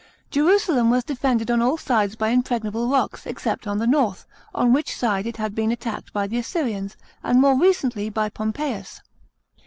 Jerusalem was defended on all sides by impregnable rocks, except on the north, on which side it had been attacked by the Assyrians, and more recently by Pompeius.